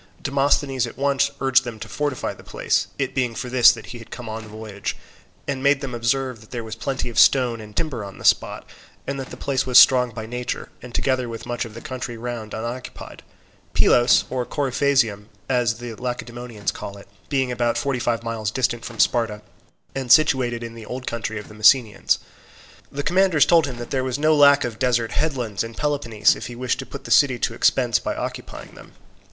Demosthenes at once urged them to fortify the place, it being for this that he had come on the voyage, and made them observe there was plenty of stone and timber on the spot, and that the place was strong by nature, and together with much of the country round unoccupied; Pylos, or Coryphasium, as the Lacedaemonians call it, being about forty five miles distant from Sparta, and situated in the old country of the Messenians. The commanders told him that there was no lack of desert headlands in Peloponnese if he wished to put the city to expense by occupying them.